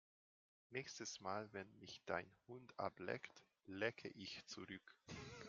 Nächstes Mal, wenn mich dein Hund ableckt, lecke ich zurück!